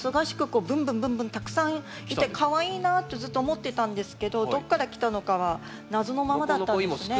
こうブンブンブンブンたくさん来てかわいいなとずっと思ってたんですけどどっから来たのかは謎のままだったんですね。